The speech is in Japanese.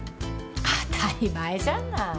当たり前じゃない。